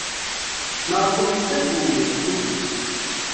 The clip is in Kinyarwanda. Ntabwo biteguye kubi.